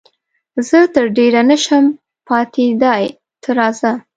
زه تر ډېره نه شم پاتېدای، ته راځه.